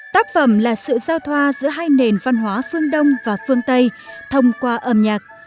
tác phẩm là sự giao thoa giữa hai nền văn hóa phương đông và phương tây thông qua âm nhạc